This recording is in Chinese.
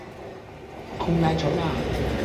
空丹车站。